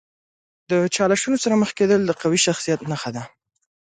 د چالشونو سره مخ کیدل د قوي شخصیت نښه ده.